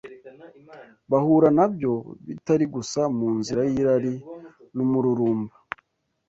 bahura na byo bitari gusa mu nzira y’irari n’umururumba